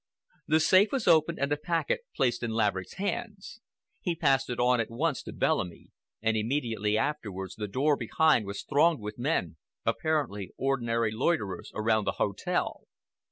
The safe was opened and the packet placed in Laverick's hands. He passed it on at once to Bellamy, and immediately afterwards the doorway behind was thronged with men, apparently ordinary loiterers around the hotel.